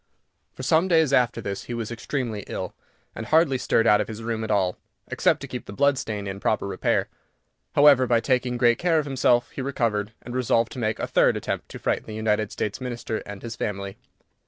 For some days after this he was extremely ill, and hardly stirred out of his room at all, except to keep the blood stain in proper repair. However, by taking great care of himself, he recovered, and resolved to make a third attempt to frighten the United States Minister and his family.